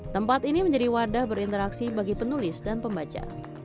tempat ini menjadi wadah berinteraksi bagi penulis dan pembaca